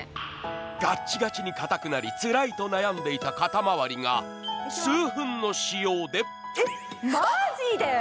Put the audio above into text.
ガッチガチに硬くなり、つらいと悩んでいた肩周りが、数分の使用でまじで？